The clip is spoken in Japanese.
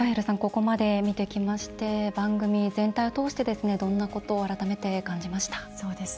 ここまで見てきて番組全体を通してどんなことを改めて感じました？